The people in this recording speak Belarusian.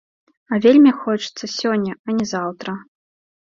А вельмі хочацца сёння, а не заўтра.